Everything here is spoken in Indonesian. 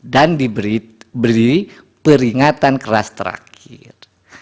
dan diberi peringatan keras terakhir